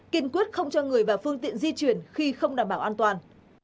kiên quyết không cho người và phương tiện di chuyển khi không đảm bảo an toàn